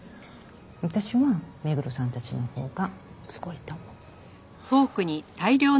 私は目黒さんたちのほうがすごいと思う。